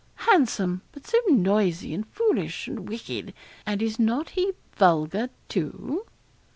'Handsome, but so noisy and foolish, and wicked; and is not he vulgar, too?'